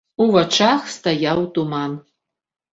У вачах стаяў туман.